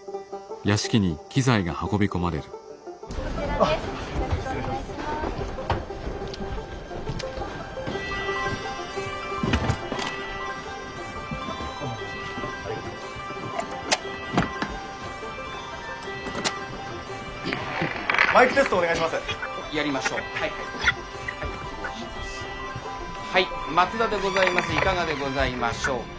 いかがでございましょうか。